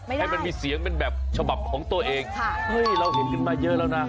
ให้มันมีเสียงเป็นแบบฉบับของตัวเองเฮ้ยเราเห็นกันมาเยอะแล้วนะ